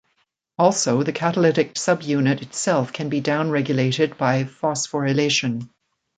Also, the catalytic subunit itself can be down-regulated by phosphorylation.